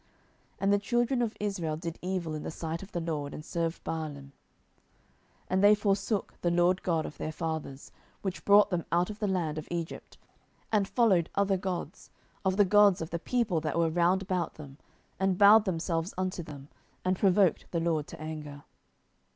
07:002:011 And the children of Israel did evil in the sight of the LORD, and served Baalim: 07:002:012 And they forsook the LORD God of their fathers, which brought them out of the land of Egypt, and followed other gods, of the gods of the people that were round about them, and bowed themselves unto them, and provoked the LORD to anger.